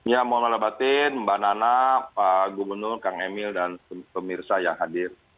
ya mohon maaf batin mbak nana pak gubernur kang emil dan pemirsa yang hadir